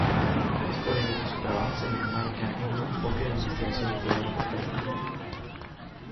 Es por ello que su trabajo se enmarca en un enfoque de investigación teórico-práctico.